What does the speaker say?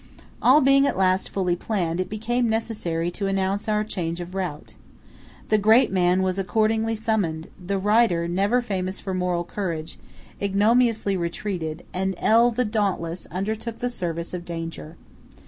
All being at last fully planned, it became necessary to announce our change of route. The great man was accordingly summoned; the writer, never famous for moral courage, ignominiously retreated; and L., the dauntless, undertook the service of danger.